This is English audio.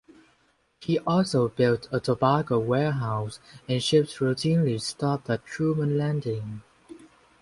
He also built a tobacco warehouse, and ships routinely stopped at Trueman Landing.